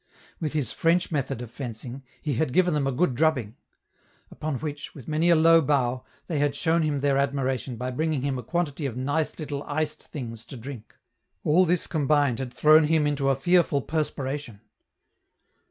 With his French method of fencing, he had given them a good drubbing. Upon which, with many a low bow, they had shown him their admiration by bringing him a quantity of nice little iced things to drink. All this combined had thrown him into a fearful perspiration.